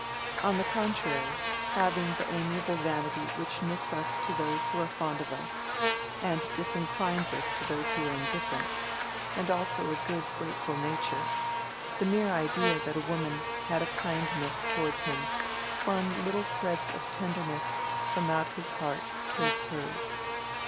On the contrary, having the amiable vanity which knits us to those who are fond of us, and disinclines us to those who are indifferent, and also a good grateful nature, the mere idea that a woman had a kindness towards him spun little threads of tenderness from out his heart towards hers.